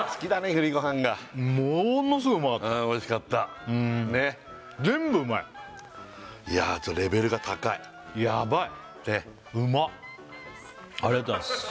栗ごはんがものすごいうまかったうん美味しかった全部うまいいやレベルが高いやばいうまっありがとうございます